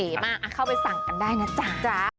มากเข้าไปสั่งกันได้นะจ๊ะ